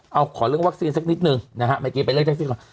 เอาขอเรื่องวัคซีนสักนิดนึงนะฮะเมื่อกี้ไปเรียกได้สิก่อน